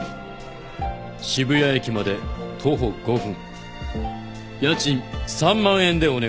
渋谷駅まで徒歩５分家賃３万円でお願いします。